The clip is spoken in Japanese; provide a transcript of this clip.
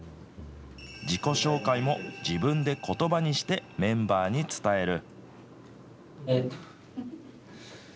自己紹介も自分でことばにしてメンバーに伝える。